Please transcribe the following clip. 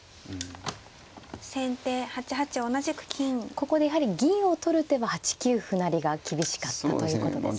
ここでやはり銀を取る手は８九歩成が厳しかったということですね。